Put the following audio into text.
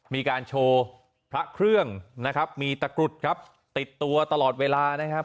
มีการโชว์พระเครื่องนะครับมีตะกรุดครับติดตัวตลอดเวลานะครับ